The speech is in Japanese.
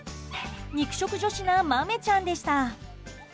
肉食女子なマメちゃんでした。